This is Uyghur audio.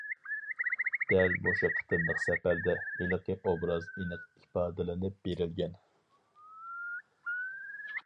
دەل مۇشۇ قېتىملىق سەپەردە، ھېلىقى ئوبراز ئېنىق ئىپادىلىنىپ بېرىلگەن.